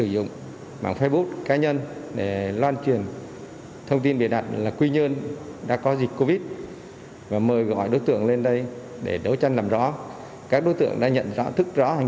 đồng thời có những thông tin đính chính kịp thời không để xảy ra tâm lý bất an cho người dân